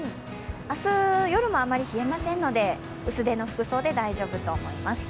明日夜もあまり冷えませんので、薄手の服装で大丈夫だと思います。